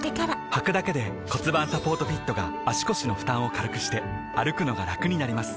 はくだけで骨盤サポートフィットが腰の負担を軽くして歩くのがラクになります